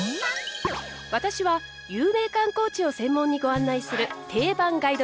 私は有名観光地を専門にご案内する定番ガイドブックです。